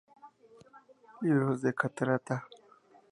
Libros de la Catarata.